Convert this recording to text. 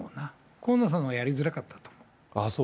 河野さんはやりづらかったと思う。